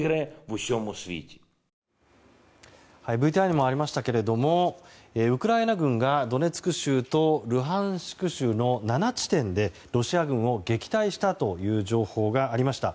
ＶＴＲにもありましたけれどウクライナ軍がドネツク州とルハンシク州の７地点でロシア軍を撃退したという情報がありました。